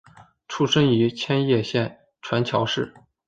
出身于千叶县船桥市。